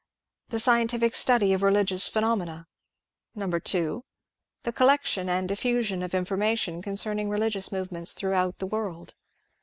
The scientific study of religious phenomena. 2. The col lection and diffusion of information concerning religious movements throughout the world.